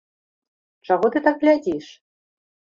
Чаго ты так глядзіш?